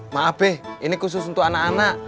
maaf deh ini khusus untuk anak anak